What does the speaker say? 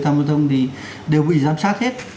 tham vô thông thì đều bị giám sát hết